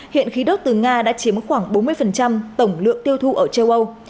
hiện khí đốt từ nga đã chiếm khoảng bốn mươi tổng lượng tiêu thụ ở châu âu